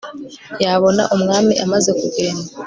yabona umwami amaze kugenda